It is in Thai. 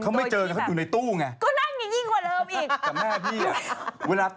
กล้านมายมชุบตื่นแล้วฟาด